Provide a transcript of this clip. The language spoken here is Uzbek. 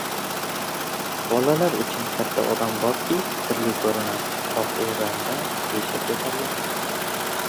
Bolalar uchun katta odam borki sirli koʻrinadi – xoh u randa-tesha koʻtargan.